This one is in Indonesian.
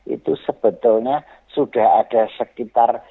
itu sebetulnya sudah ada sekitar